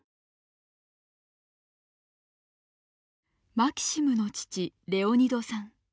マキシムの父レオニドさん。